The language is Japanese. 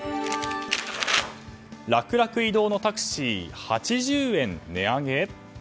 楽々移動のタクシー８０円値上げ？